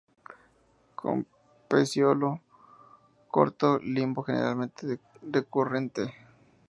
Con pecíolo corto, limbo generalmente decurrente.